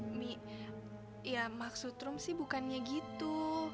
mie ya maksud rom sih bukannya gitu